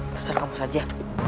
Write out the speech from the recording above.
besar kamu saja